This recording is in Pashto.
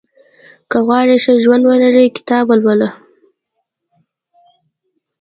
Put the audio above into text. • که غواړې ښه ژوند ولرې، کتاب ولوله.